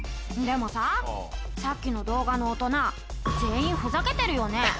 でもささっきの動画の大人全員ふざけてるよね。